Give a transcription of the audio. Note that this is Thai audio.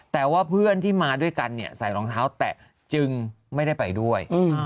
แต่ว่าเพื่อนที่มาด้วยกันเนี่ยใส่รองเท้าแตะจึงไม่ได้ไปด้วย